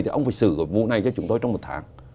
thì ông phải xử vụ này cho chúng tôi trong một tháng